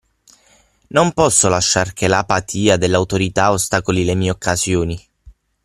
Non posso lasciare che l'apatia delle autorità ostacoli le mie occasioni.